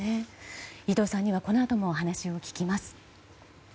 伊藤さんにはこのあともお話を聞きます。